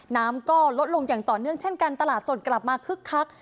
น้ำก็ลดลงอย่างต่อเนื่องเช่นกันตลาดสดกลับมาคึกคัก